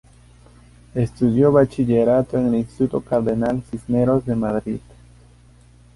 Estudió bachillerato en el Instituto Cardenal Cisneros de Madrid.